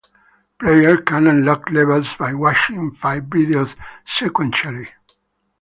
Player can unlock levels by watching five videos sequentially.